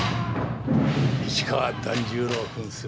市川團十郎扮する